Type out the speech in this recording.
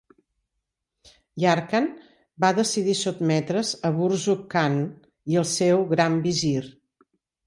Yarkand va decidir sotmetre"s a Burzug Khan i al seu gran visir.